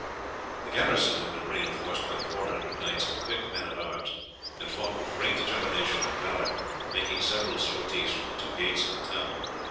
The garrison had been reinforced by four hundred knights and picked men at arms, and fought with great determination and valour, making several sorties from the two gates of the town.